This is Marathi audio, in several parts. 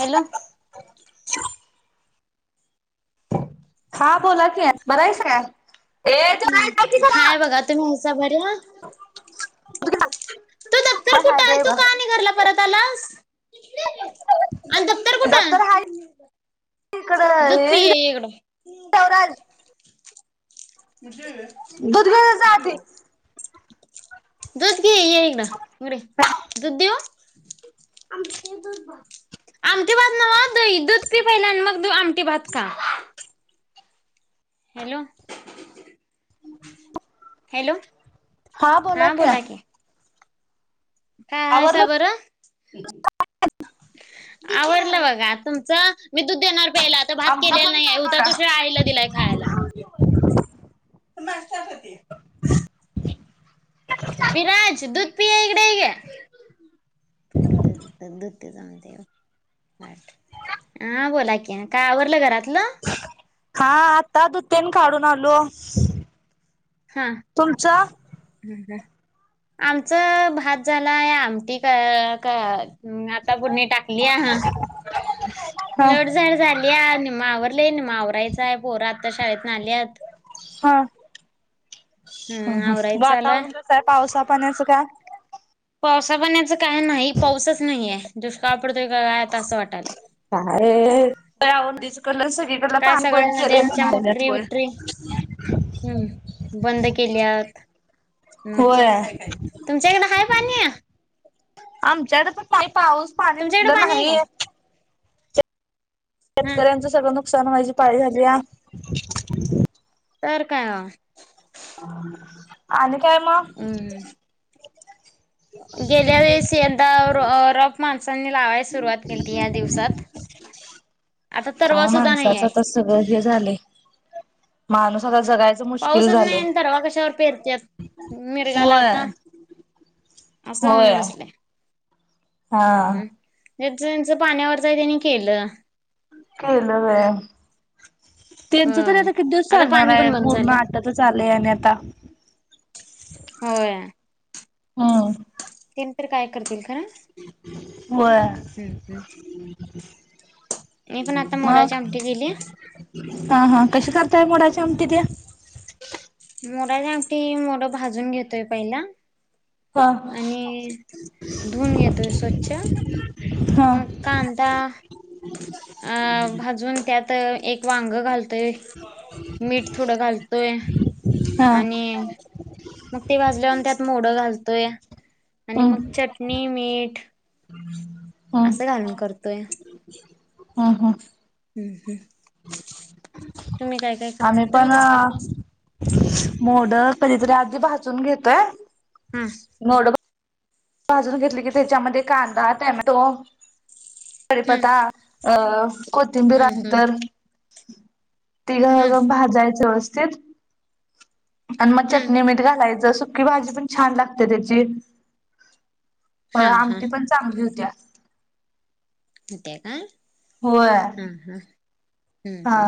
हॅलो? [inaudible] हां बोला की बरं आहेस काय? ए ते की घरा हाय बघा तुम्ही कसं बरे आहात? तू दप्तर हाय हाय कुठं? तू का बरे आणि घरला परत आलास? आणि कुठं दप्तर हाय दूध पि इकडं ये इकडं [inaudible] दूध घेऊन जा [unintelligible] [inaudible] दुध घे ये इकडं दुध देऊ. आमटी भात नवा दही दूध पी पहिला आणि मग आमटे भात खा. हॅलो? [inaudible] हॅलो? हां बोला की. काय आहेसा आवरलं बरं? आवरलं बघा तुमचं मी देणार प्याला भात आमचा केलेला पण नाही झाला हुता बघा त्यो शिळा आईला दिलाय खायलात. वीराज दुध पि य इकडं यकी. हा बोला की. काय आवरलं घरातलं. हा आता दुध तेन काढून आलो. हा. तुमचं ह आमचं भात झालाय आमटी का का हम् आता पुढणी टाकलीया हा हा लोड झाड झाली निम्मं मावरले मावरायचांय पोहरा आत्ता शाळेत नाल्यात. हा ह हम्म ह आवरायचं चालूय वातावरण कस आहे पावसा पाणाचं काय. पावसा पाण्याच काय नाही पाऊसच नाहीय दुष्काळ पडतोय का काय आता असं वाटले. कायव तसकडन सगळीकडन काय पान पण सगळ्या केले नद्यांच्या म्हणाल्यात मोटरी वय बिटरी [unintelligible] हम्म बंद केल्यात. होय तुमच्याकडें हाय पाणी या. आमच्याकडे पण नाही पाऊस पाणी तुमच्याकडे कुठलं पाणी आहे का नाहीये. हा शेतकऱ्यांचं सगळं नुकसान व्हाये पाळी झाली. तर काय ओ. आणि काय म, हम्म गेल्या वळेस यंदा रोप माणसांनी लावायला सुरुवात केली त या दिवसात आता तरवा सुद्धा नाही आहे. सग हे झाले माणूस आता जगाय पाऊसच नाही तरवा कशावर पेरतेत मिरगाला होय आता. असं होय हुन बसलय. हा हम् हम् त्यांच पाण्यावरचय त्यांनी केलं. केलंव्हय त्यांच तरी होय आता किती दिवस आता चालणार पाणी आहे पण बंद पूर्ण झालं आता चालेय आणि आता. होय. हा. तेणी तरी काय करतील. खरं होय. हम्म हम्म मी पण आता मोराची मग आमटी केली हा हा कशी करताय मोडाची आमटी ते मोडाची आमटी, मोडं भाजून घेतोय पहिला. हा आणि धुून घेतोय स्वच्छ. ह [unintelligible] मग कांदा अ भाजून त्यात एक वांग घालतोय. मीठ थोडं घालतोय हा आणि, मग ते भाजल्यावर त्यात मोडं घालतोय आणि हम् मग चटणी मीठ हम् असं घालून करतोय. ह हां. हम्म हम् तुम्ही काय काय कर आम्ही तुम्ही पण कस करताय. मोड कधीतरी आधी भाजून घेतोय हा मोड भाजून घेतले की त्याच्यामध्ये कांदा टॅमॅटो हम्म कडीपथा, अ कोथिंबीर हम्म आणि हम्म तर. हम्म तिला भाजायच व्यवस्थित आणि मग हम्म चटणी - मीठ घालायचं, सुकी भाजी पण छान लागते त्याची. प हा हा आमटी पण चांगली होत्या. होत्या काय? होय, हम्म हा हम्म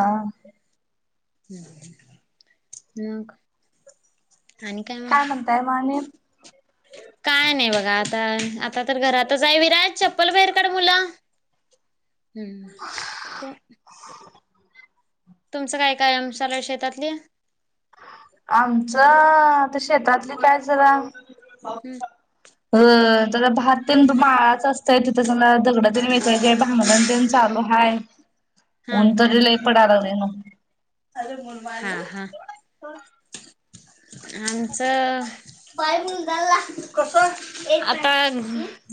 मग? आणि मग काय म्हणताय म आणि? काय नाही बघा, आता आता तर घरातच आहे, विराज चप्पल बाहेर काढ मुला. हम्म [inaudible] तुमचं काय का काम चालू आहेत शेतातली? आमचंत आता शेतातली काय जरा अ त्याला भात तेन माळाच असतय, तिथं त्याला दगडातेन वेचायचे आहे भांगलन तेन चालू हाय, हा ऊन तरी लई पडाय लागलय नव. हा हा, आमचं [unintelligible] आता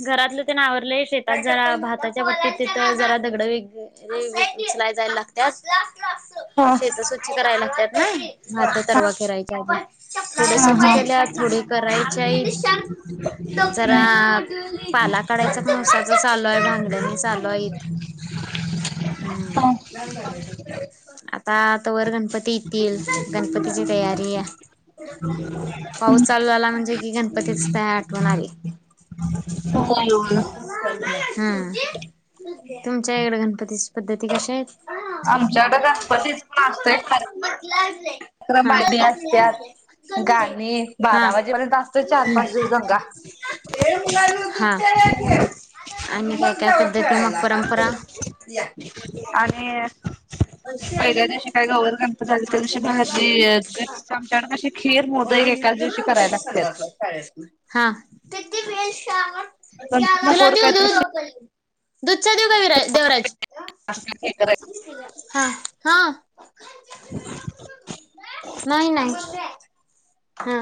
घरातलं तेन आवरलंय, शेतात जरा भाताच्या पट्टीत तिथं जरा दगडं वेच वे उचलाय जायला लागत्यात शेत हा स्वच्छ करायला लागतात नाई, [unintelligible] तरवा पेरायच्या आधी. थोड हा स्वच्छ हा केल्यात, थोडी करायच्या हाती, जरा पाला लाल काढायच ऊसाच चालू आहे, भांगलनी चालू आहेत, हम्म. हा. आता तवर गणपती येतील. गणपतीची तयारी पाऊस चालू झाला म्हणजे कि, गणपतीचं त्या आठवण आली. होय होय हम्म, तुमच्या इकड गणपती पद्धती कशा आहेत? आमच्याकडं गणपतीच पण असतय [inaudible] हा गाणी हा बारा वाजेपर्यंत असतोय चार पाच दिवस दंगा हम हा आणि काय काय पद्धती मग, परंपरा? आणि पहिल्या दिवशी काय गवर गणपती झाली त्यादीशी आमच्याकडं कशी खीर, मोदक एक एकाच दिवशी करायला लागत्यात. हा नंतर मग गोड काहीतरी शिरा दुध - चा देऊ काय विराज, देवराज [inaudible] हा हा नाही नाही हा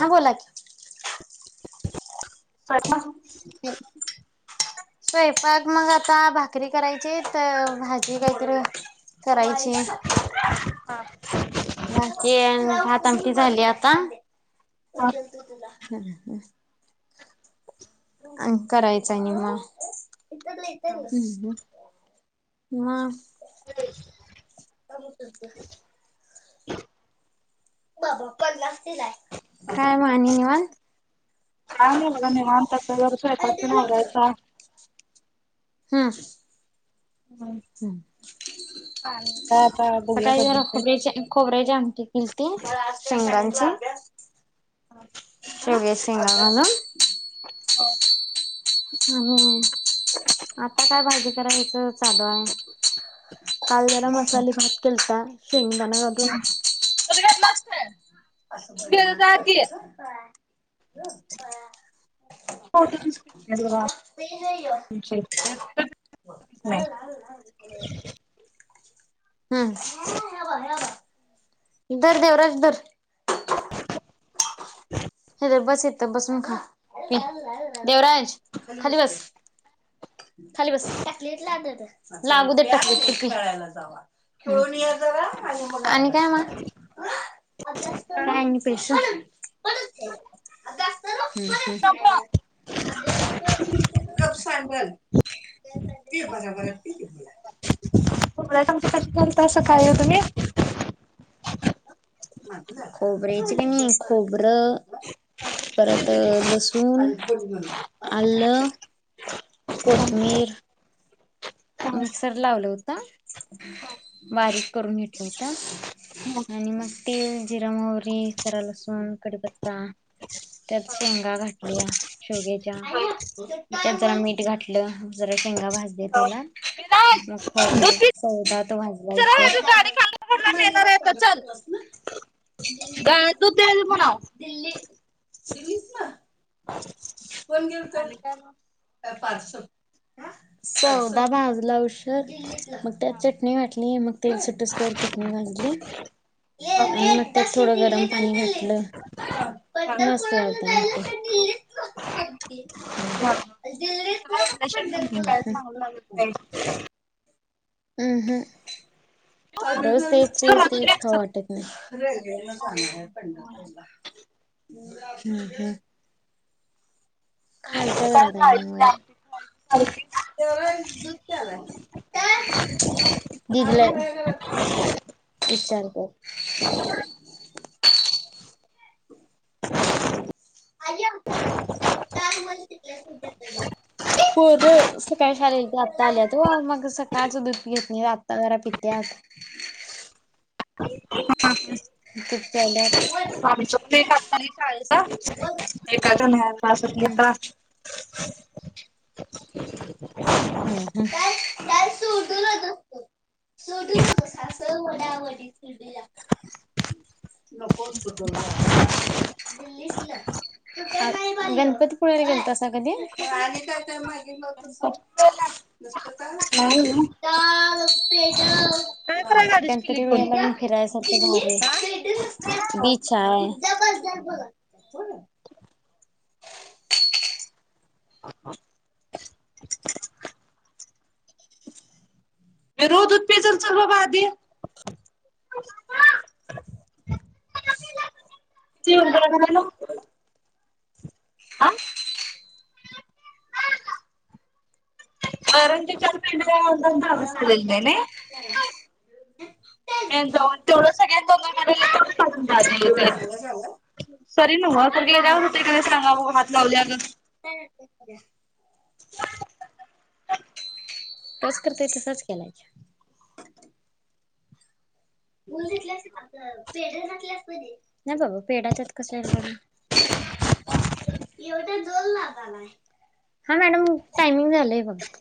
ह बोला की, स्वयंपाक? [inaudible] स्वयंपाक मग, आता भाकरी करायची हाईत, भाजी काहीतर करायची हा बाकी भात -आमटी झाली आता. हा हं हं आणि करायचं आणि मग मग? काय मग आणि निवांत? काय नाय बघा निवांत, आता स्वयंपाक तेन आवरायचा. हा. हम पाणी काय आता बघुया सकाळी कधी जरा येतय. खोबऱ्याची खोबऱ्याची आमटी केलती शेंगदाण्याची शेवग्याच्या शेंगा घालून हम आता काय भाजी करायचं. चालू हाय. काल जरा मसाली भात केलता, शेंगदान घालून. दूध घेतलास काय? असं दूध घेजा भंजनात जा की. करत्यात हं. हो तुमची [unintelligible] नाही. [unintelligible] हां. धर देवराज धर. [inaudible] हे धर बस इथ बसून खा. देवराज खाली बस. खाली बस. टाकलीेत लागल लागूद टकलीत. आणि काय मग? काय आणि पेशंट? ह़़ ह़ [unintelligible] गप सांडल पी की भराभर त बोला. खोबऱ्याची आमटी कशी करत्यासा काय ओ तुम्ही? खोबऱ्याची कनी खोबरं परत अ लसूण, आलं कोथमीर मिक्सर लावला होता. बारीक करून घेतलं होता. आणि मग तीळ, जिरा मोहरी, जरा लसूण, कडीपत्ता त्यात शेंगा घाटल्या. शेवग्याच्या, त्यात जरा मीठ घातलं, जरा शेंगा भाजल्या तेलात मग खोबर आणि शेंगदान जरा आहे तू भाजायचं. गाडी खांदेकरला नेणार आहे तर [unintelligible] आई दूध द्याली म्हनाव दिल्ली दिललीस म कोण गेलत? आणि काय मग? [unintelligible] भाजला उशर मग त्यात चटणी वाटली, मग तेल सुटस तवर चटणी भाजली. हा आणि मग त्यात थोडं गरम पाणी घातलं. हा मस्त वाटते आमटी अशी हा हू. दिल्लीत उशिरा ना [unintelligible] वाजल्याशिवाय पण काय चांगल लागत नाही. उ हू. रोज तेच चल तेच मग दूध तेच घ्या खाऊं चल. वाटत नाही. [unintelligible] खालच्या काय घरात आहे म् डाळीची माई आमटी करता दीदीला इचारत्यात. अ रक्ता म टिकलं सध्याकडे [unintelligible] पोर सकाळ शाळेला गेलतीत, आत्ता आल्यात ओ मग सकाळच दूध पीत नाहीत, आत्ता जरा पित्यात. [inaudible] ह [unintelligible] दूध प्याल्यात. आमच्यात ते काही शाळेचं एकचं काय बास होत नाही हम्म नेतात. [inaudible] हम्म हम. [unintelligible] सोडू न तो सासव वडा व सोडूला. नको बटून बाबालीस गणपतीपुळेर गेलत कधी काय काय मा. नुसत का नाही ना. का पेड काय कराय गाडीची किल्ली घेऊन? रला फिराय सत घ हा बच. हा. हो ना. रोजत पेज चल बाबा आधी किती हो. आ. अरजिकल कडे अंतंत असाललदेने हो. मे जाऊन तेवढं सगळ्या दोघांून. ह. सरी न स गेला दव होतेकडे सांगा हात लावलेग. काय? तच करत तसच केलायच. बू तितलं. नाही बाबा पेढातच कस आहे म्ह एवढ्या जोल नाताला हा मॅडम टायमिंग झालंय बघा.